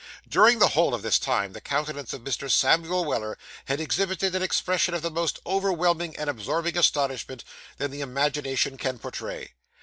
During the whole of this time the countenance of Mr. Samuel Weller had exhibited an expression of the most overwhelming and absorbing astonishment that the imagination can portray.